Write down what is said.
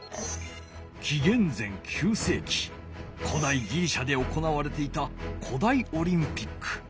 きげん前９せいき古代ギリシャで行われていた古代オリンピック。